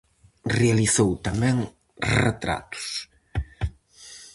Realizou tamén retratos.